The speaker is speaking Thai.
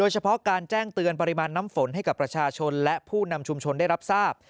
เฉพาะการแจ้งเตือนปริมาณน้ำฝนให้กับประชาชนและผู้นำชุมชนได้รับทราบ